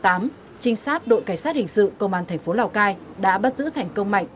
trinh sát đội cảnh sát hình sự công an tp lào cai đã bắt giữ thành công mạnh